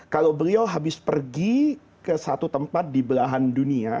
kalau beliau habis pergi ke satu tempat di belahan dunia